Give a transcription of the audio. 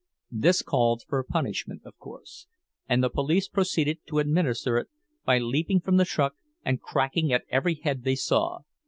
This called for punishment, of course; and the police proceeded to administer it by leaping from the truck and cracking at every head they saw.